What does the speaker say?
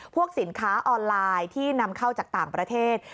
พวกสินค้าออนไลน์ที่นำเข้าจากต่างประเทศ